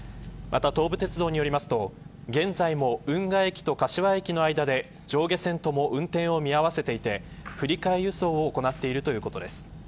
また、東武鉄道によりますと現在も運河駅と柏駅の間で上下線とも運転を見合わせていて振り替え輸送を行っているということです。